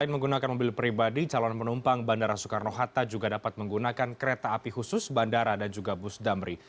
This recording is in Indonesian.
menggunakan mobil pribadi calon penumpang bandara soekarno hatta juga dapat menggunakan kereta api khusus bandara dan juga bus damri